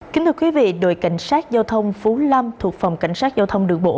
kính thưa quý vị đội cảnh sát giao thông phú lâm thuộc phòng cảnh sát giao thông đường bộ